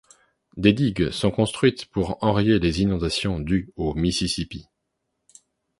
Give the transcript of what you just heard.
Des digues sont construites pour enrayer les inondations dues au Mississippi.